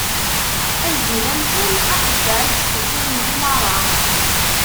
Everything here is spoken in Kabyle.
A lǧil amcum, axeddaɛ, i yessuturen limaṛa!